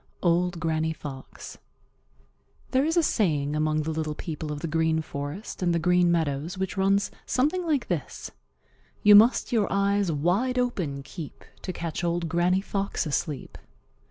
—Old Granny Fox. There is a saying among the little people of the Green Forest and the Green Meadows which runs something like this: "You must your eyes wide open keep To catch Old Granny Fox asleep."